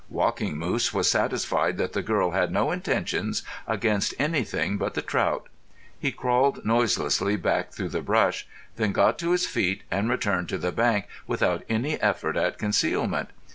Walking Moose was satisfied that the girl had no intentions against anything but the trout. He crawled noiselessly back through the brush, then got to his feet, and returned to the bank without any effort at concealment.